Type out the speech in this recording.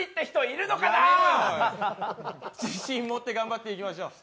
やめろよ、自信持って頑張っていきましょう。